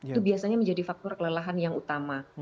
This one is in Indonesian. itu biasanya menjadi faktor kelelahan yang utama